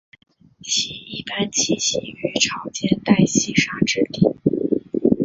其一般栖息于潮间带细砂质底。